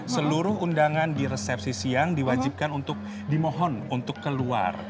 seluruh undangan di resepsi siang diwajibkan untuk dimohon untuk keluar